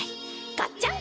ガッチャン！